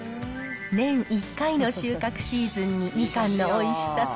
年１回の収穫シーズンに、みかんのおいしさ